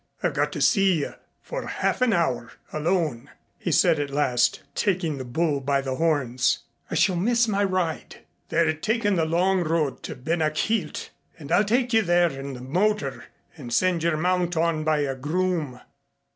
"I've got to see you for half an hour alone," he said at last, taking the bull by the horns. "I shall miss my ride." "They're taking the long road to Ben a Chielt. I'll take you there in the motor and send your mount on by a groom."